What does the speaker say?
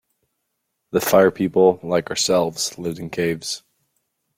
The Fire People, like ourselves, lived in caves.